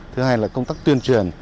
thứ hai là công tác tuyên truyền